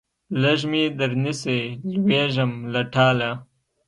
لږ مې درنیسئ لوېږم له ټاله